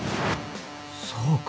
そうか。